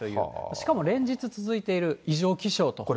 しかも連日続いている異常気象となっています。